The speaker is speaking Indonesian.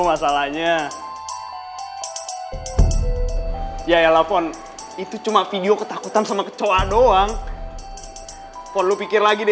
masalahnya ya ya lah pon itu cuma video ketakutan sama kecoa doang polo pikir lagi